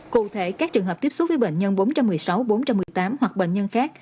cụ thể các trường hợp tiếp xúc với bệnh nhân bốn trăm một mươi sáu bốn trăm một mươi tám hoặc bệnh nhân khác